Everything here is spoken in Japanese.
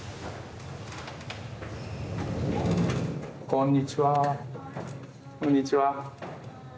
こんにちは。